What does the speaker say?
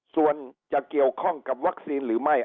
ส่วนจะเกี่ยวข้องกับวัคซีนหรือไม่